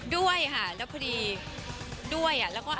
ด้วยค่ะแล้วพอดีด้วยละและหลายอย่าง